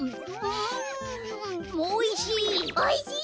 んおいしい！